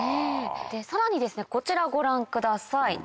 さらにですねこちらご覧ください。